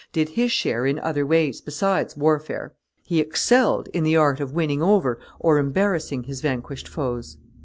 did his share in other ways besides warfare; he excelled in the art of winning over or embarrassing his vanquished foes.